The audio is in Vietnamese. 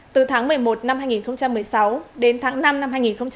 từ tháng một mươi một năm hai nghìn một mươi sáu đến tháng năm năm hai nghìn một mươi chín